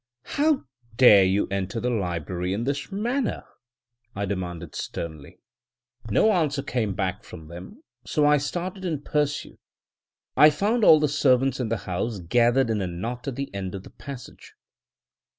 "How dare you enter the library in this manner?" I demanded sternly. No answer came back from them, so I started in pursuit. I found all the servants in the house gathered in a knot at the end of the passage.